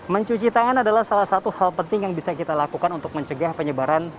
mencuci tangan adalah salah satu hal penting yang bisa kita lakukan untuk mencegah penyebaran